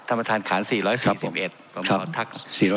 ท่านประธานขาล๔๔๑ผมขอทัก๔๗๑